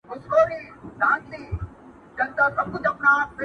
زاړه کيسې بيا راژوندي کيږي تل.